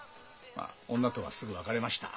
まあ女とはすぐ別れました。